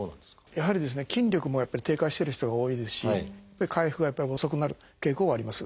やはり筋力もやっぱり低下してる人が多いですし回復がやっぱり遅くなる傾向はあります。